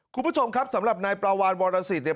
คุณผู้ชมครับสำหรับนายปลาวานวรสิตเนี่ย